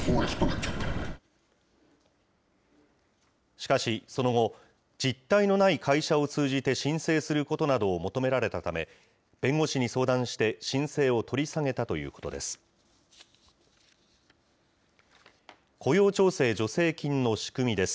しかし、その後、実態のない会社を通じて申請することなどを求められたため、弁護士に相談して、申請を取り下げたということです。